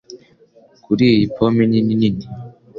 Kuri iyi ni pome nini nini